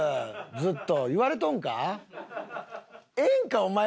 ずっと言われとんか？